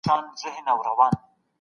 سفر کول د انسانانو پوهه زیاتوي.